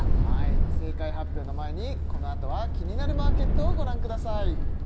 正解発表の前にこのあとは「キニナルマーケット」をご覧ください